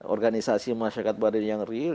organisasi masyarakat baduy yang real